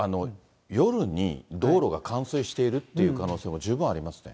夜に道路が冠水しているっていう可能性も十分ありますね。